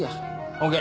ＯＫ